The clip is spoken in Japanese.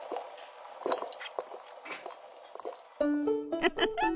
ウフフ。